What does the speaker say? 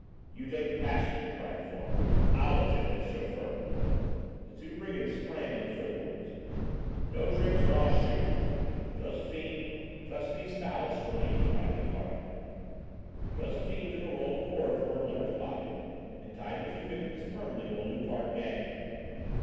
"You take the passenger!" cried the former; "I'll attend to the chauffeur." The two brigands sprang on the footboards. "No tricks, or I'll shoot! Josephine, truss these fowls for me!" cried Loupart. Josephine took a roll of cord from her lover's pocket and tied the two victims firmly while Loupart gagged them.